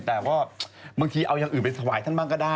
แต่ว่ามันทีเอายังอื่นเป็นสวายท่านบ้างก็ได้